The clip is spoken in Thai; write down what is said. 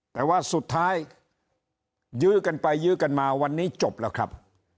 แต่ว่าสุดท้ายยื้อกันไปยื้อกันมาวันนี้จบแล้วครับ